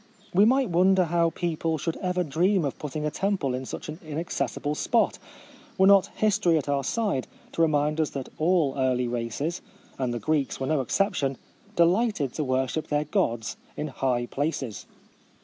We might wonder how people should ever dream of putting a temple in such an inaccessible spot, were not his tory at our side to remind us that all early races — and the Greeks were no exception — delighted to worship their gods in "high places."